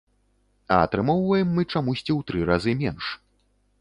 А атрымоўваем мы чамусьці ў тры разы менш.